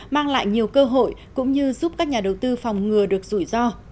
mang lại nhiều cơ hội cũng như giúp các nhà đầu tư phòng ngừa được rủi ro